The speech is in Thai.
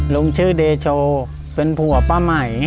ลุงชื่อเดโชเป็นผัวป้าไหม